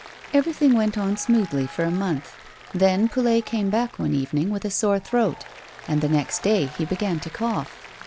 Everything went on smoothly for a mouth ; then Poulet came back, one evening, with a sore throat, and the next day he began to cough.